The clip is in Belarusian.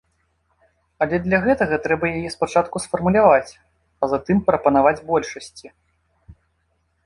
Але для гэтага трэба яе спачатку сфармуляваць, а затым прапанаваць большасці.